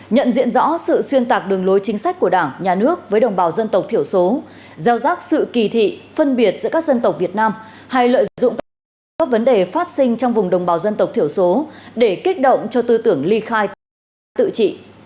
nhận diện rõ sự xuyên tạc đường lối chính sách của đảng nhà nước với đồng bào dân tộc thiểu số gieo rác sự kỳ thị phân biệt giữa các dân tộc việt nam hay lợi dụng công nghệ các vấn đề phát sinh trong vùng đồng bào dân tộc thiểu số để kích động cho tư tưởng ly khai tự mã tự trị